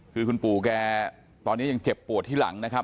คือคุณปู่แกตอนนี้ยังเจ็บปวดที่หลังนะครับ